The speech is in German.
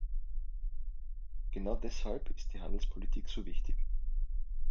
Genau deshalb ist die Handelspolitik so wichtig.